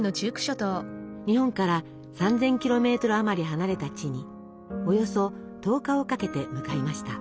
日本から３，０００ｋｍあまり離れた地におよそ１０日をかけて向かいました。